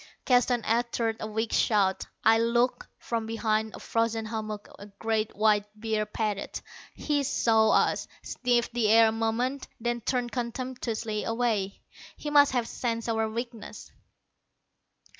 Keston uttered a weak shout. I looked. From behind a frozen hummock a great white bear padded. He saw us, sniffed the air a moment, then turned contemptuously away. He must have sensed our weakness.